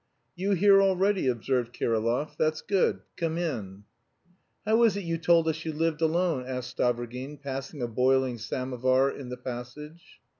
"You here already?" observed Kirillov. "That's good. Come in." "How is it you told us you lived alone," asked Stavrogin, passing a boiling samovar in the passage.